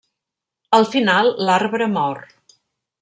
Al final, l'arbre mor.